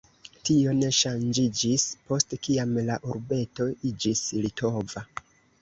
Tio ne ŝanĝiĝis, post kiam la urbeto iĝis litova.